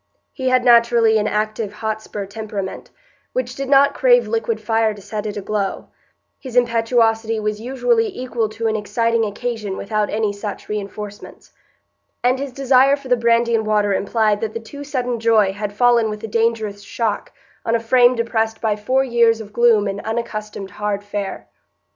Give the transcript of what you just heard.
He had naturally an active Hotspur temperament, which did not crave liquid fire to set it aglow; his impetuosity was usually equal to an exciting occasion without any such reinforcements; and his desire for the brandy and water implied that the too sudden joy had fallen with a dangerous shock on a frame depressed by four years of gloom and unaccustomed hard fare.